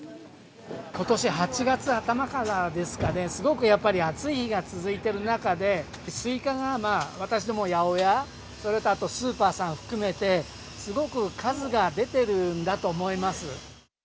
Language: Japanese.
ことし８月頭からですかね、すごくやっぱり暑い日が続いてる中で、スイカがまあ、私ども八百屋、それとあとスーパーさん含めて、すごく数が出てるんだと思います。